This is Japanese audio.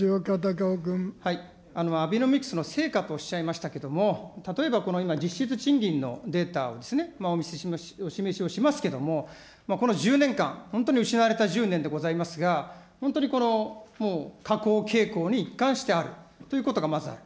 アベノミクスの成果とおっしゃいましたけれども、例えば今実質賃金のデータをお示しをしますけれども、この１０年間、本当に失われた１０年でございますが、本当にもう、下降傾向に一貫してあるということがまずある。